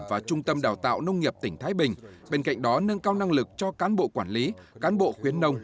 và trung tâm đào tạo nông nghiệp tỉnh thái bình bên cạnh đó nâng cao năng lực cho cán bộ quản lý cán bộ khuyến nông